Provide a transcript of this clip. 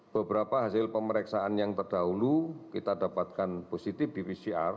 beberapa hasil pemeriksaan yang terdahulu kita dapatkan positif di pcr